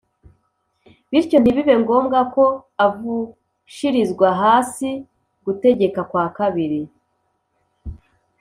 bityo ntibibe ngombwa ko avushirizwa hasi Gutegeka kwa Kabiri